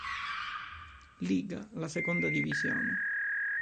Liga, la seconda divisione.